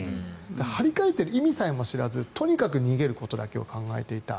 張り替えている意味さえ知らずとにかく逃げることだけを考えていた。